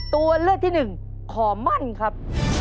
ตัวเลือกที่หนึ่งขอมั่นครับ